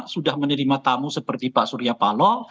sudah menerima tamu seperti pak surya paloh